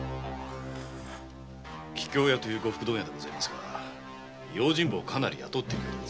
桔梗屋という呉服問屋ですが用心棒をかなり雇っているようです。